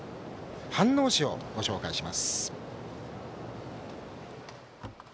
飯能市をご紹介します。